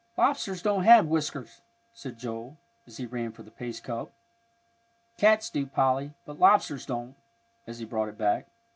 "Lobsters don't have whiskers," said Joel, as he ran for the paste cup. "Cats do, Polly, but lobsters don't," as he brought it back.